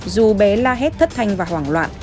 dù bé la hét thất thanh và hoảng loạn